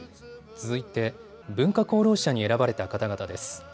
続いて文化功労者に選ばれた方々です。